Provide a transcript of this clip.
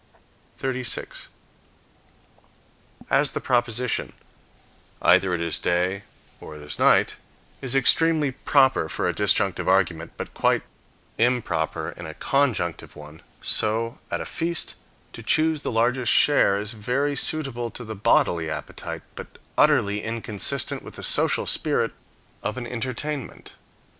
36. As the proposition, "Either it is day or it is night," is extremely proper for a disjunctive argument, but quite improper in a conjunctive one, so, at a feast, to choose the largest share is very suitable to the bodily appetite, but utterly inconsistent with the social spirit of an entertainment.